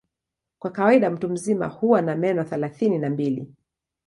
Kwa kawaida mtu mzima huwa na meno thelathini na mbili.